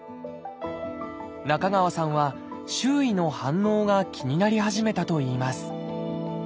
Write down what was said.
中川さんは周囲の反応が気になり始めたといいます